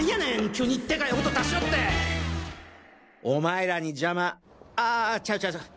急にでかい音出しよっお前らに邪魔あちゃうちゃうちゃう。